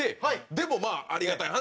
でもまあありがたい話